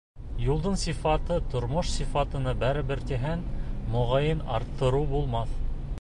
Юлдың сифаты тормош сифатына бәрәбәр тиһәң, моғайын, арттырыу булмаҫ.